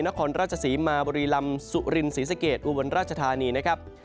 นครราชสีมาบริลำสุรินร์ศรีสะเกียจอุบรรณราชธานีนะครับ